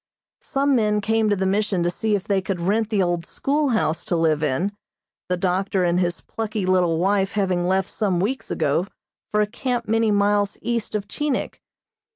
Some men came to the Mission to see if they could rent the old schoolhouse to live in, the doctor and his plucky little wife having left some weeks ago for a camp many miles east of Chinik.